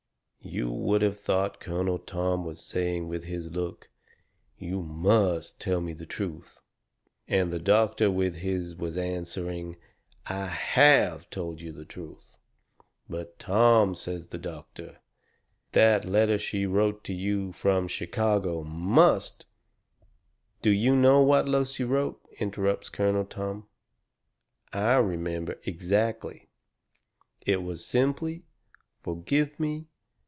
You would of thought Colonel Tom was saying with his look: "You MUST tell me the truth." And the doctor with his was answering: "I HAVE told you the truth." "But, Tom," says the doctor, "that letter she wrote you from Chicago must " "Do you know what Lucy wrote?" interrupts Colonel Tom. "I remember exactly. It was simply: 'FORGIVE ME.